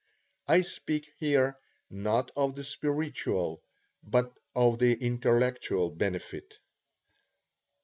I speak here, not of the spiritual, but of the intellectual benefit.